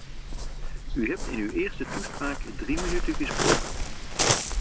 U hebt in uw eerste toespraak drie minuten gesproken.